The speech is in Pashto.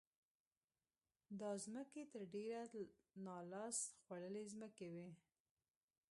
دا ځمکې تر ډېره نا لاس خوړلې ځمکې وې.